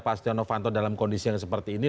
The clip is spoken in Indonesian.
pak stiano fanto dalam kondisi yang seperti ini